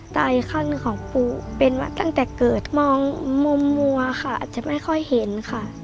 อีกขั้นหนึ่งของปูเป็นมาตั้งแต่เกิดมองมุมมัวค่ะอาจจะไม่ค่อยเห็นค่ะ